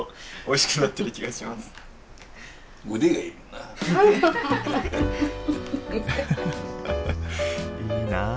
いいなあ。